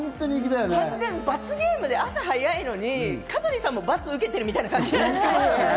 罰ゲームで朝早いのに香取さんも罰受けてるみたいな感じじゃないですか。